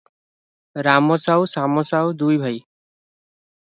ରାମ ସାଉ ଶାମ ସାଉ ଦୁଇ ଭାଇ ।